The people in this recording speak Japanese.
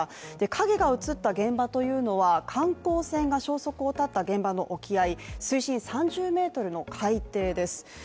影が映った現場は観光船が消息を絶った現場の沖合水深３０ｍの海底です。